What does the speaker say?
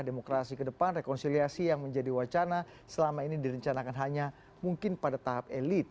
demokrasi ke depan rekonsiliasi yang menjadi wacana selama ini direncanakan hanya mungkin pada tahap elit